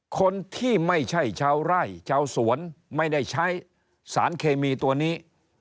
คนที่ไม่ใช่ชาวไร่ชาวสวนไม่ได้ใช้สารเคมีตัวนี้